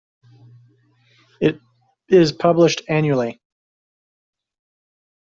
It is published annually.